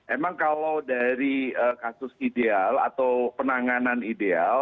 emang kalau dari kasus ideal atau penanganan ideal